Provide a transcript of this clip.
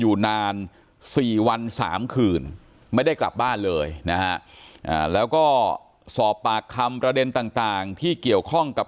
อยู่นาน๔วัน๓คืนไม่ได้กลับบ้านเลยนะฮะแล้วก็สอบปากคำประเด็นต่างที่เกี่ยวข้องกับ